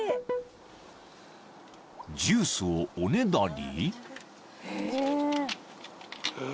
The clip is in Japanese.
［ジュースをおねだり？］